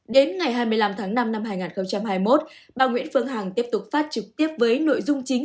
đến ngày hai mươi năm tháng năm năm hai nghìn hai mươi một bà nguyễn phương hằng tiếp tục phát trực tiếp với nội dung chính